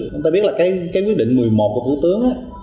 chúng ta biết là quyết định một mươi một của thủ tướng